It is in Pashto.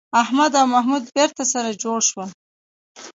احمد او محمود بېرته سره جوړ شول.